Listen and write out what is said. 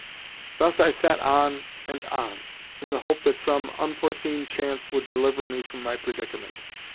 Thus I sat on and on, in the hope that some unforeseen chance would deliver me from my predicament.